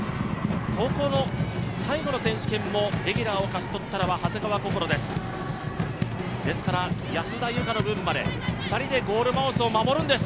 高校の最後の選手権もレギュラーを勝ち取ったのは長谷川想です。